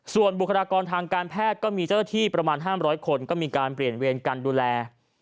ส่วนบุคลากรทางการแพทย์ก็มีเจ้าหน้าที่ประมาณ๕๐๐คนก็มีการเปลี่ยนเวรการดูแล